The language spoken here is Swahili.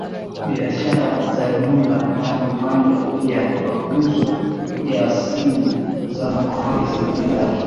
biashara za nyumba na viwanja pia mauzo ya simu za mkononi zenye jina lake